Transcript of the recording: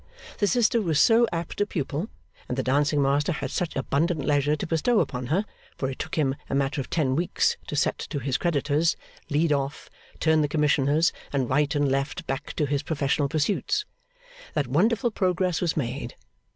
The sister was so apt a pupil, and the dancing master had such abundant leisure to bestow upon her (for it took him a matter of ten weeks to set to his creditors, lead off, turn the Commissioners, and right and left back to his professional pursuits), that wonderful progress was made.